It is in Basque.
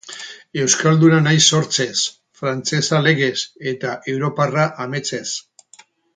Euskalduna naiz sortzez, frantsesa legez, eta europarra ametsez.